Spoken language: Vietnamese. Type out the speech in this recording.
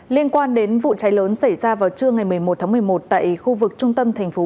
liên quan đến vụ cháy lớn xảy ra vào trưa ngày một mươi một tháng một mươi một tại khu vực trung tâm thành phố